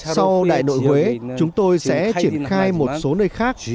sau đại nội huế chúng tôi sẽ triển khai một số nơi khác